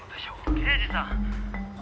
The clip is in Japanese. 「刑事さん！」